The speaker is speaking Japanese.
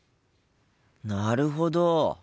なるほど！